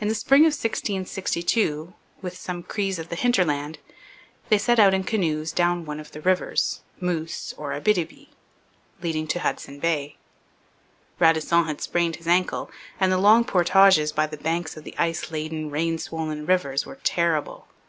In the spring of 1662, with some Crees of the hinterland, they set out in canoes down one of the rivers Moose or Abitibi leading to Hudson Bay. Radisson had sprained his ankle; and the long portages by the banks of the ice laden, rain swollen rivers were terrible.